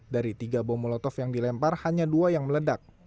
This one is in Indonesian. dari tiga bom molotov yang dilempar hanya dua yang meledak